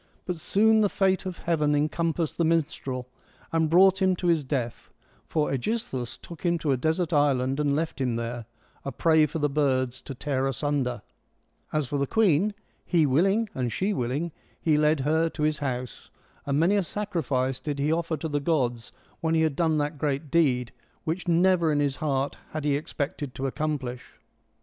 But soon the fate of heaven encompassed the minstrel, and brought him to his death, for ^Egisthus took him to a desert island and left him there, a prey for the birds to tear asunder. As for the queen — he willing and she willing — he led her to his house. And many a sacrifice did he offer to the gods when he had done that great deed, which never in his heart had he expected to accomplish.